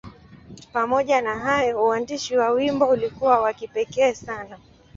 Pamoja na hayo, uandishi wa wimbo ulikuwa wa kipekee sana.